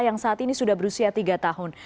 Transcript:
yang saat ini sudah berusia tiga tahun